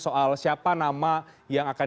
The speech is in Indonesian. soal siapa nama yang akan